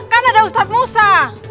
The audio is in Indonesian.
kan ada ustadz musa